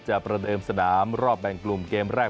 ประเดิมสนามรอบแบ่งกลุ่มเกมแรก